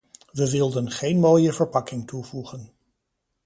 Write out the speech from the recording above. We wilden geen mooie verpakking toevoegen.